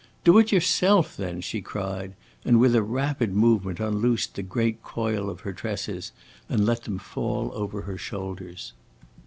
"Do it yourself, then!" she cried, and with a rapid movement unloosed the great coil of her tresses and let them fall over her shoulders.